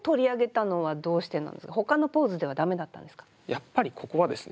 やっぱりここはですね